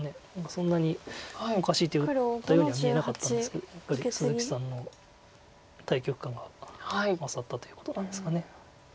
そんなにおかしい手打ったようには見えなかったんですけどやっぱり鈴木さんの大局観が勝ったということなんですか。